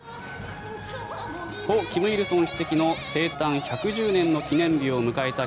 故・金日成主席生誕１１０年の記念日を迎えた